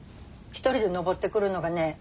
一人で登ってくるのがね